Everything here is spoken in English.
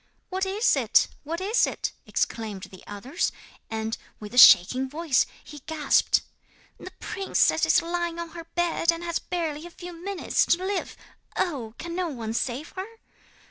'"What is it? What is it?" exclaimed the others; and, with a shaking voice, he gasped: '"The princess is lying on her bed, and has barely a few minutes to live. Oh! can no one save her?"